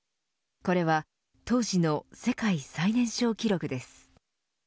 これは当時の世界最年少記録です。